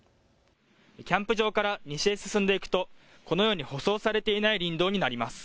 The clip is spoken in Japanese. キャンプ場から西へ進んでいくとこのように舗装されていない林道になります。